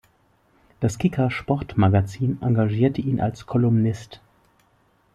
Das Kicker-Sportmagazin engagierte ihn als Kolumnist.